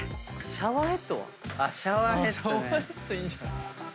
シャワーヘッドいいんじゃない？